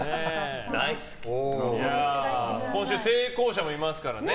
今週、成功者もいますからね。